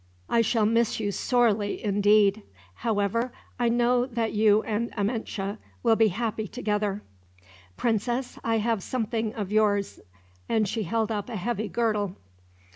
I shall miss you sorely, indeed. However, I know that you and Amenche will be happy together. "Princess, I have something of yours," and she held up a heavy girdle.